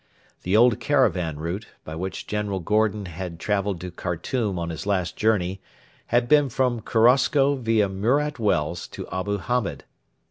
The old caravan route, by which General Gordon had travelled to Khartoum on his last journey, had been from Korosko via Murat Wells to Abu Hamed.